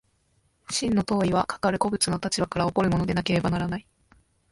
真の当為はかかる個物の立場から起こるものでなければならない。